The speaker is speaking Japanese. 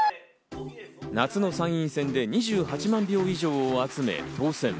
夏の参院選で２８万票以上を集め当選。